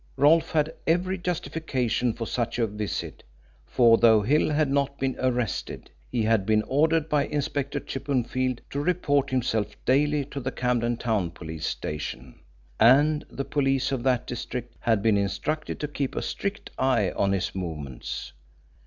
Rolfe had every justification for such a visit, for, though Hill had not been arrested, he had been ordered by Inspector Chippenfield to report himself daily to the Camden Town Police Station, and the police of that district had been instructed to keep a strict eye on his movements.